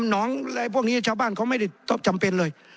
หนองอะไรพวกนี้ชาวบ้านเขาไม่ได้จำเป็นเลย